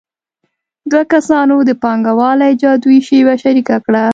دوه کسانو د پانګوالۍ جادويي شیبه شریکه کړه